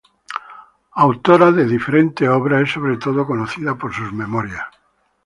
Autora de diferentes obras, es sobre todo conocida por sus memorias.